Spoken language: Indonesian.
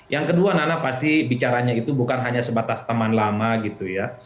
yang kedua nana pasti bicaranya itu bukan hanya sebatas teman lama gitu ya